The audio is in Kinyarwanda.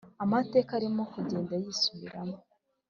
amateka arimo kugenda yisubiramo